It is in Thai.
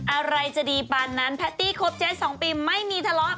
อะไรจะดีปานนั้นแพตตี้ครบ๗๒ปีไม่มีทะเลาะ